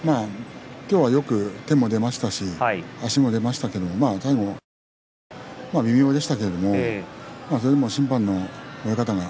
今日はよく手も出ましたし足も出ましたけれども土俵際、微妙でしたけれどもそれでも審判の親方が